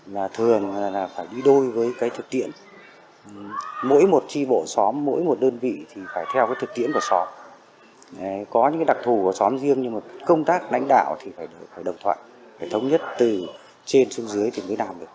là thường là phải đi đôi với cái thực tiễn mỗi một tri bộ xóm mỗi một đơn vị thì phải theo cái thực tiễn của xóm có những đặc thù của xóm riêng nhưng mà công tác lãnh đạo thì phải đồng thoạn phải thống nhất từ trên xuống dưới thì mới làm được